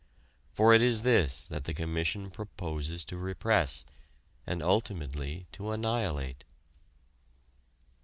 For it is this that the Commission proposes to repress, and ultimately to annihilate.